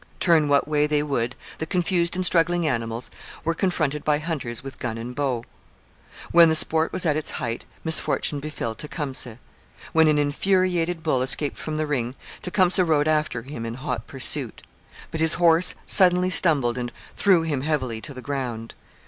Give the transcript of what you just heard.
Turn what way they would, the confused and struggling animals were confronted by hunters with gun and bow. When the sport was at its height misfortune befell Tecumseh. When an infuriated bull escaped from the ring, Tecumseh rode after him in hot pursuit. But his horse suddenly stumbled and threw him heavily to the ground.